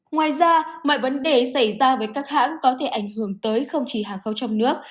ngoài ra mọi vấn đề xảy ra với các hãng có thể ảnh hưởng tới không chỉ hàng khâu trong nước